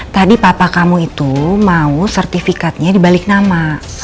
jadi papa kamu itu mau sertifikatnya di balik nama